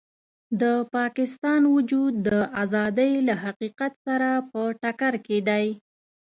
د پاکستان وجود د ازادۍ له حقیقت سره په ټکر کې دی.